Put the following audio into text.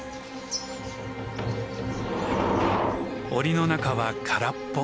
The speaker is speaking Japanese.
檻の中は空っぽ。